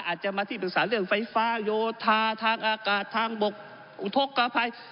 อาจจะมาที่ปรึกษาเรื่องไฟฟ้าโยธาทางอากาศทางบกอุทธกภัย